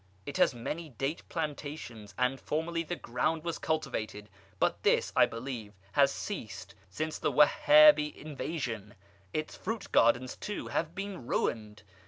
It has many date plantations, and formerly the ground was cultivated; but this, I believe, has ceased since the Wahabi invasion: its fruit gardens, too, have been ruined.